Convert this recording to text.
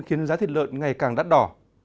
khiến giá thịt lợn ngày càng đắt đỏ